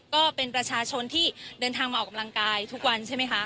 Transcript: ก็เป็นประชาชนที่เดินทางมาออกกำลังกายทุกวันใช่ไหมคะ